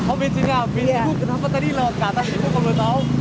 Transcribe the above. oh besinya habis bu kenapa tadi lawat ke atas itu